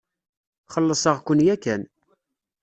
Xellseɣ-ken yakan.